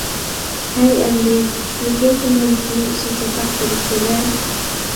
ھەي، ئەمدى تۈركىيە كوماندىسىنىڭ ئىشى چاتاق بولۇپتۇ-دە!